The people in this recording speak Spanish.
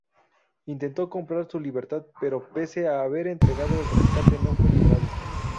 Intentó comprar su libertad, pero pese a haber entregado el rescate no fue liberado.